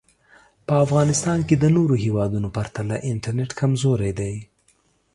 په افغانیستان کې د نورو هېوادونو پرتله انټرنټ کمزوری دی